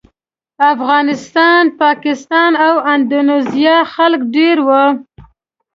افغانستان، پاکستان او اندونیزیا خلک ډېر وو.